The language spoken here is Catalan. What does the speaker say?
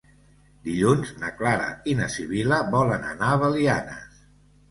Dilluns na Clara i na Sibil·la volen anar a Belianes.